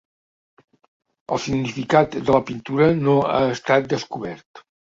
El significat de la pintura no ha estat descobert.